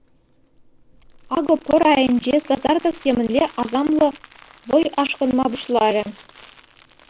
Акӑ пӑр айӗнче сасартӑк темӗнле асамлӑ вӑй ашкӑнма пуҫларӗ.